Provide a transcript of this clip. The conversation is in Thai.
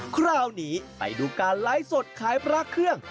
คราวนี้ไปดูการไลฟ์สดขายพระเครื่อง